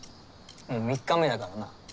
もう３日目だからな。